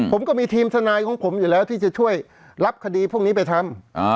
ผมก็มีทีมทนายของผมอยู่แล้วที่จะช่วยรับคดีพวกนี้ไปทำ